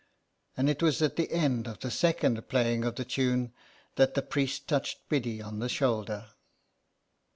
And it was at the end of the second playing of the tune that the priest touched Biddy on the shoulder.